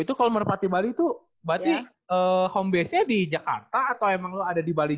itu kalau merpati bali itu berarti home base nya di jakarta atau emang lo ada di bali